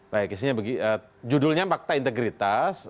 baik isinya begini judulnya fakta integritas